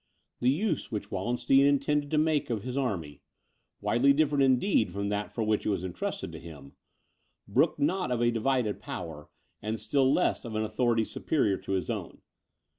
The use which Wallenstein intended to make of his army, (widely different indeed from that for which it was entrusted to him,) brooked not of a divided power, and still less of an authority superior to his own.